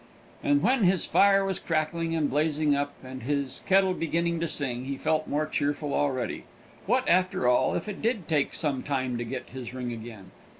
And when his fire was crackling and blazing up, and his kettle beginning to sing, he felt more cheerful already. What, after all, if it did take some time to get his ring again?